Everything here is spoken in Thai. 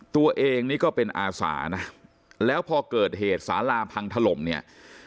ตัวเองนี่ก็เป็นอาสานะแล้วพอเกิดเหตุสาลาพังถล่มเนี่ย